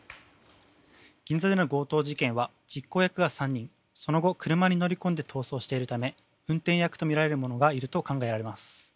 銀座での強盗事件は実行役が３人その後、車に乗り込んで逃走しているため運転役とみられる者がいると考えられます。